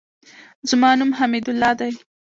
زما نوم حمیدالله دئ.